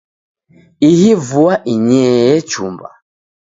Ihi vua inyee echumba.